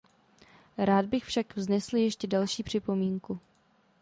Rád bych však vznesl ještě další připomínku.